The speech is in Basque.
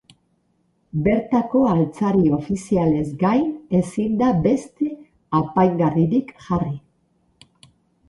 Bertako altzari ofizialez gain ezin da beste apaingarririk jarri.